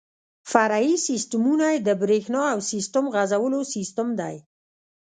فرعي سیسټمونه یې د بریښنا او سیسټم غځولو سیستم دی.